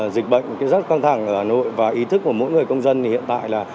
dịch bệnh rất căng thẳng ở hà nội và ý thức của mỗi người công dân thì hiện tại là